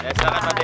ya silahkan pak de